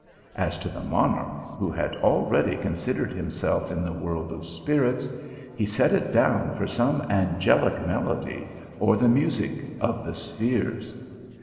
As to the monarch, who had already considered himself in the world of spirits, he set it down for some angehc mel ody, or the music of the spheres.